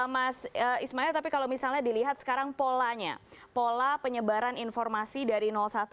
mas ismail tapi kalau misalnya dilihat sekarang polanya pola penyebaran informasi dari satu